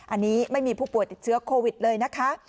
อันนี้ไม่มีผู้ป่วยติดเชื้อโควิดเลยนะคะ